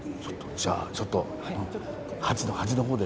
じゃあちょっと端の方で。